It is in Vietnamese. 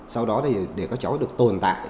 sau đó thì để các cháu được tồn tại